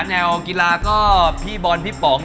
แนวกีฬาก็พี่บอลพี่ป๋อง